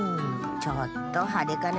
ちょっとはでかな。